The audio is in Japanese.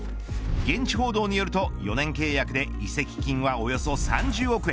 現地報道によると４年契約で移籍金はおよそ３０億円。